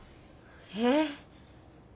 えっ？